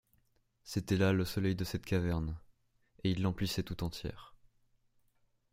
C’était là le soleil de cette caverne, et il l’emplissait tout entière.